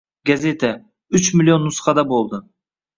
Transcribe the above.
Gazeta... uch million nusxada bo‘ldi.